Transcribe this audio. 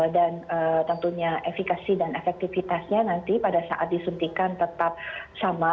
dan tentunya efekasi dan efektifitasnya nanti pada saat disuntikan tetap sama